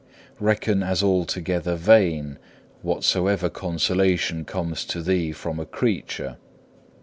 Reckon as altogether vain whatsoever consolation comes to thee from a creature.